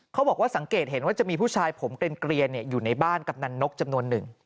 เขาบอกว่าสังเกตเห็นว่าจะมีผู้ชายผมเกลียนอยู่ในบ้านกำนันนกจำนวนหนึ่ง